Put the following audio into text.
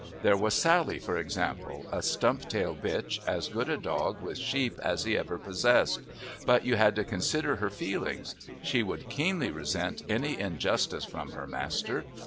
There was Sally, for example, a stump tail bitch, as good a dog with sheep as he ever possessed, but you had to consider her feelings. She would keenly resent any injustice from her master.